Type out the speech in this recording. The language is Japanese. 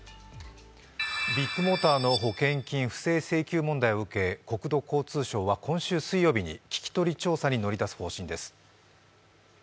ビッグモーターの保険金不正請求問題を受け国土交通省は今週水曜日に聞き取り調査に乗り出す方針です。